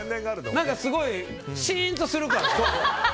すごいシーンとするから。